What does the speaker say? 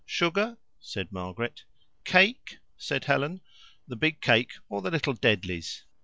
"Sugar?" said Margaret. "Cake?" said Helen. "The big cake or the little deadlies?